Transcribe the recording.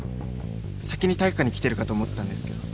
先に体育館に来てるかと思ったんですけど。